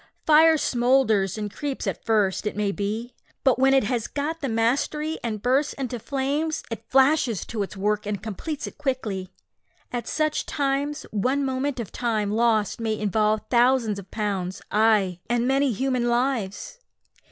Fire smoulders and creeps at first, it may be, but when it has got the mastery, and bursts into flames, it flashes to its work and completes it quickly. At such times, one moment of time lost may involve thousands of pounds ay, and many human lives!